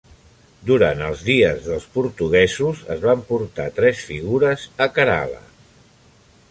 Durant els dies dels portuguesos, es van portar tres figures a Kerala.